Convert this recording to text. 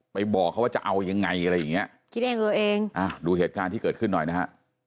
บอกเขาว่าจะเอายังไงอะไรอย่างเงี้ยคิดเองเอาเองอ่าดูเหตุการณ์ที่เกิดขึ้นหน่อยนะฮะ